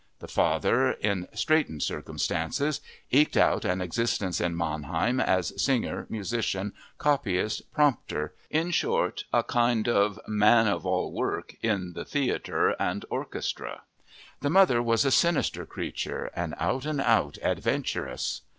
The father, in straitened circumstances, eked out an existence in Mannheim as singer, musician, copyist, prompter—in short, a kind of man of all work in the theater and orchestra. The mother was a sinister creature—an out and out adventuress.